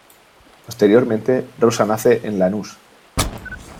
Posteriormente Rosa nace en Lanús.